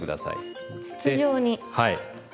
はい。